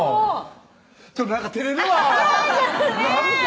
ちょっとなんかてれるわ！ねぇ！